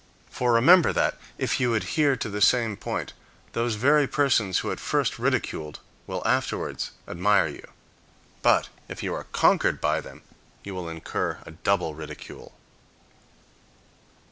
For remember that, if you adhere to the same point, those very persons who at first ridiculed will afterwards admire you. But if you are conquered by them, you will incur a double ridicule.